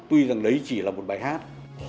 tuy rằng đấy chỉ là một bài hát